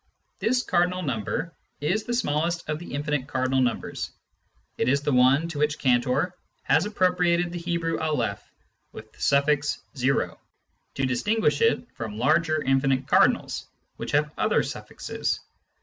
This cardinal number is the smallest of the infinite cardinal numbers ; it is the one to which Cantor has appropriated the Hebrew Aleph with the suffix o, to distinguish it from larger infinite cardinals, which have other suffixes.